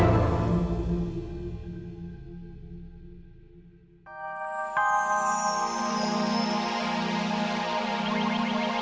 jangan lupa like share dan subscribe ya